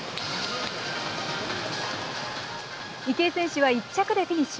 池江選手は１着でフィニッシュ。